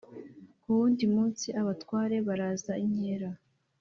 ku wundi munsi, abatware baraza inkera